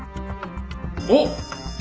おっ！